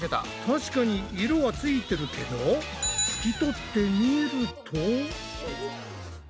確かに色はついてるけど拭き取ってみると。